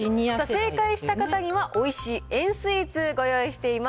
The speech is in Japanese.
正解した方には、おいしい円スイーツ、ご用意しています。